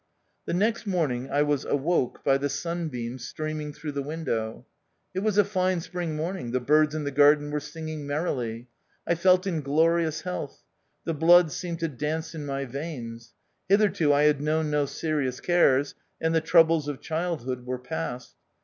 The next morning I was awoke by the sun beams streaming through the window. It was a fine spring morning, the birds in the garden were singing merrily. I felt in glorious health ; the blood seemed to dance in my veins. Hitherto I had known no serious cares, and the troubles of childhood were past.